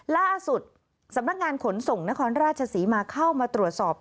ล่าสุดสำนักงานขนส่งนครราชศรีมาเข้ามาตรวจสอบ